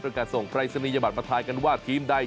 โดยการส่งไพรสนิยบัตรมาถ่ายกันว่าทีมใด